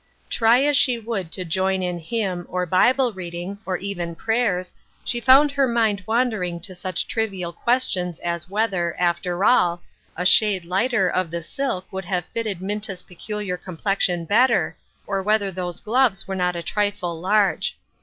Try as she would to join in hymn, or Bible reading, or even prayers, she found her mind wandering to such trivial questions as whether, after all, a shade lighter of the silk would have fitted Minta's peculiar complexion better, or whether those gloves were not a trifle large.